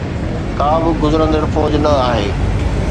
ڪا به گذرندڙ فوج نه آهي.